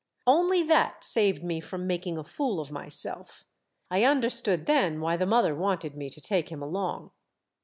' Only that saved me from making a fool of myself I understood then why the mother wanted me to take him along.